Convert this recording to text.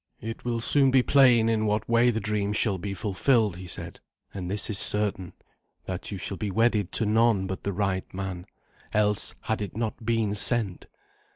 "It will soon be plain in what way the dream shall be fulfilled," he said; "and this is certain, that you shall be wedded to none but the right man, else had it not been sent.